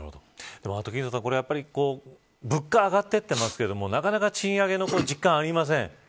アトキンソンさん物価が上がっていってますがなかなか賃上げの実感がありません。